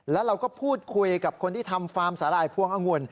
แล้วเราก็พูดคุยกับคนที่ทำฟาร์มสาหร่ายพวงองุ่น